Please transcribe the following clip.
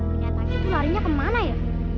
kenyataannya itu larinya kemana ya